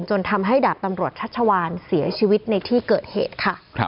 จนทำให้ดาบตำรวจชัชวานเสียชีวิตในที่เกิดเหตุค่ะ